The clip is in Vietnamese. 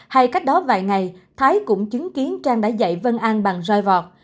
hay cách đó vài ngày thái cũng chứng kiến trang đã dạy vân an bằng roi vọt